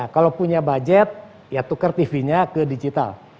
kalau punya budget ya tukar tv nya ke digital